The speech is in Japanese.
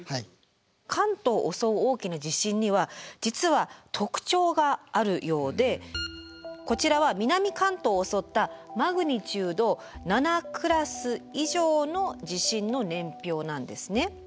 関東を襲う大きな地震には実は特徴があるようでこちらは南関東を襲ったマグニチュード７クラス以上の地震の年表なんですね。